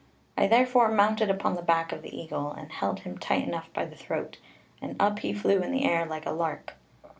I therefore mounted upon the back of the eagle, and held him tight enough by the throat, and up he flew in the air like a lark.